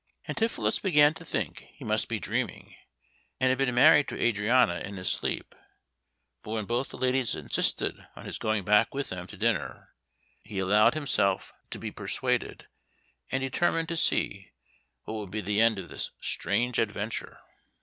Antipholus began to think he must be dreaming, and had been married to Adriana in his sleep; but when both the ladies insisted on his going back with them to dinner, he allowed himself to be persuaded, and determined to see what would be the end of this strange adventure.